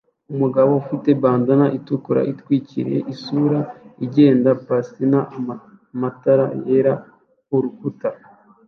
Umugabo ufite bandanna itukura itwikiriye isura igenda passna matara yera urukuta